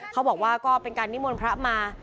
เขาบอกว่าก็เป็นการนิมนต์พระมา